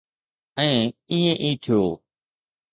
۽ ائين ئي ٿيو.